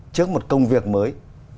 trước một công việc mới